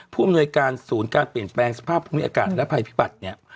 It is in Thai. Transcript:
ผู้อำนวยการศูนย์การเปลี่ยนแปลงสภาพภูมิอากาศและภัยพิบัติเนี่ย